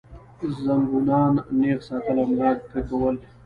زنګونان نېغ ساتل او ملا کږول